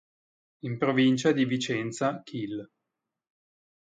In provincia di Vicenza kil.